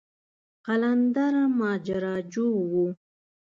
قلندر ماجراجو و.